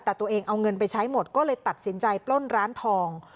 แต่ตัวเองเอาเงินไปใช้หมดก็เลยตัดสินใจปล้นร้านทอง